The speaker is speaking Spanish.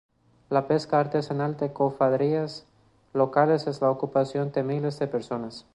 la pesca artesanal de cofradías locales es la ocupación de miles de personas